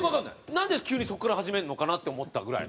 なんで急にそこから始めるのかなって思ったぐらい。